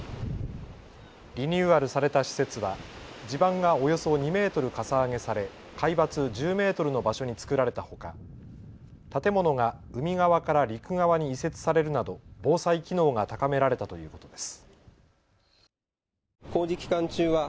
リニューアルされた施設は地盤がおよそ２メートルかさ上げされ海抜１０メートルの場所に造られたほか建物が海側から陸側に移設されるなど防災機能が高められたということです。